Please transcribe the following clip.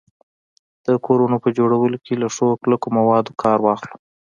د کورونو په جوړولو کي له ښو کلکو موادو کار واخلو